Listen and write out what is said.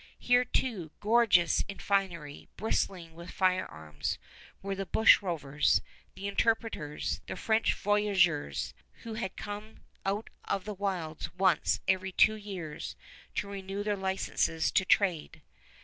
Here, too, gorgeous in finery, bristling with firearms, were the bushrovers, the interpreters, the French voyageurs, who had to come out of the wilds once every two years to renew their licenses to trade.